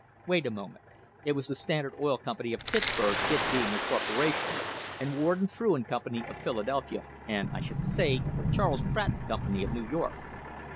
Wait a moment. It was the Standard Oil Company of Pittsburg, it being a corporation, and Warden, Frew and Company, of Philadelphia, and, I should say, Charles Pratt and Company, of New York.